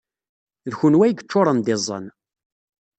D kenwi ay yeččuṛen d iẓẓan.